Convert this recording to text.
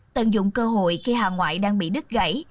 tận dụng cơ hội khi hàng ngoại đang bị đứt gãy